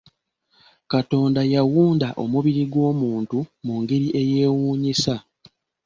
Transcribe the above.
Katonda yawunda omubiri gw'omuntu mu ngeri eyewuunyisa.